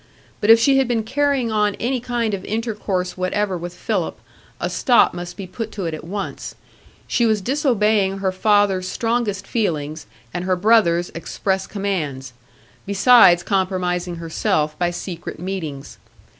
But if she had been carrying on any kind of intercourse whatever with Philip, a stop must be put to it at once; she was disobeying her father's strongest feelings and her brother's express commands, besides compromising herself by secret meetings.